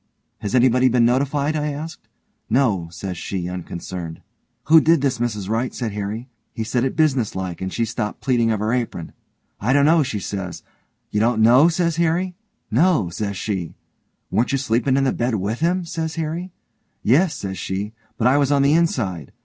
'Has anybody been notified?' I asked. 'No', says she unconcerned. 'Who did this, Mrs Wright?' said Harry. He said it business like and she stopped pleatin' of her apron. 'I don't know', she says. 'You don't know?' says Harry. 'No', says she. 'Weren't you sleepin' in the bed with him?' says Harry. 'Yes', says she, 'but I was on the inside'.